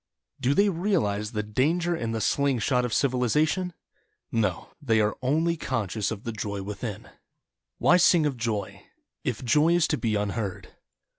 Do they realize the danger in the sling shot of civilization? No — they are only conscious of the Joy within. DAY DREAMS Why sing of Joy — If Joy is to be unheard.